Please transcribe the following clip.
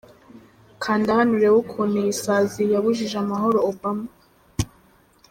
Kanda hano urebe ukuntu iyi sazi yabujije amahoro Obama.